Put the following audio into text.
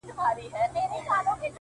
زه د ساقي تر احترامه پوري پاته نه سوم”